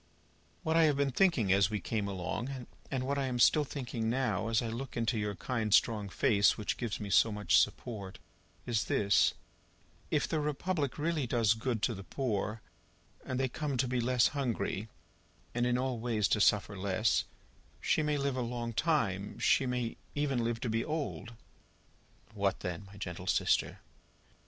"What I have been thinking as we came along, and what I am still thinking now, as I look into your kind strong face which gives me so much support, is this: If the Republic really does good to the poor, and they come to be less hungry, and in all ways to suffer less, she may live a long time: she may even live to be old." "What then, my gentle sister?"